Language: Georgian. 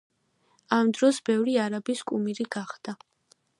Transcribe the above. ამ დროს ბევრი არაბის კუმირი გახდა.